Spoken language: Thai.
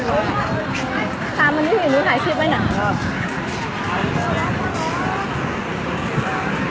ขอบคุณครับขอบคุณครับ